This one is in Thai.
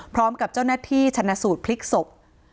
พร้อมกับเจ้าหน้าที่ชนะสูตรพลิกศพ